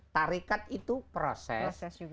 tarikat itu proses